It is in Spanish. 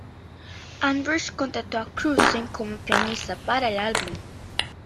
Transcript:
Andrews contrató a Kurstin como pianista para el álbum.